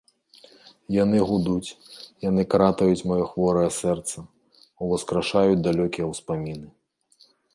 Яны гудуць, яны кратаюць маё хворае сэрца, уваскрашаюць далёкія ўспаміны.